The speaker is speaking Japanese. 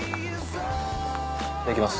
いただきます。